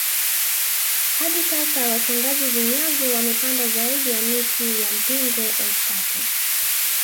Hadi sasa wachongaji vinyago wamepanda zaidi ya miti ya mpingo elfu tatu